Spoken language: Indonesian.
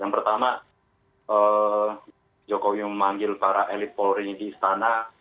yang pertama jokowi memanggil para elit polri di istana